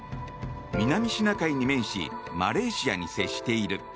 南シナ海に面しマレーシアに接している。